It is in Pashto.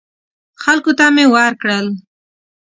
خلکو ته مې ورکړل.